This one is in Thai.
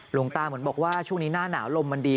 หลวงตาเหมือนบอกว่าช่วงนี้หน้าหนาวลมมันดี